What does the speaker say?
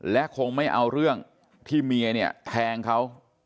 และคงไม่เอาเรื่องที่เมียเนี่ยแทงเขา